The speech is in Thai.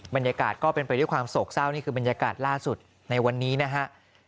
บรรยากาศก็เป็นไปด้วยความโศกเศร้านี่คือบรรยากาศล่าสุดในวันนี้นะฮะ